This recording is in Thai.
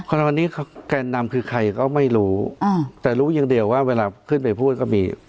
ในวันนี้แกนนำคือใครก็ไม่รู้แต่รู้อย่างเดียวว่าเวลาขึ้นไปพูดก็มี